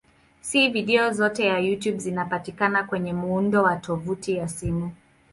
Si video zote za YouTube zinazopatikana kwenye muundo wa tovuti ya simu.